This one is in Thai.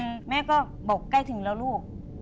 คือแม่ก็บอกใกล้ถึงแล้วลูก